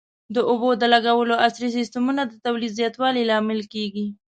د اوبو د لګولو عصري سیستمونه د تولید زیاتوالي لامل کېږي.